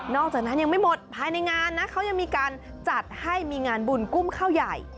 จากนั้นยังไม่หมดภายในงานนะเขายังมีการจัดให้มีงานบุญกุ้มข้าวใหญ่